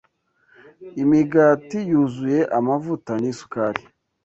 imigati yuzuye amavuta n’isukari